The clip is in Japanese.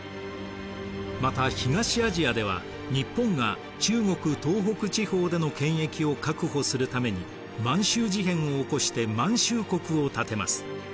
また東アジアでは日本が中国東北地方での権益を確保するために満州事変を起こして満州国を建てます。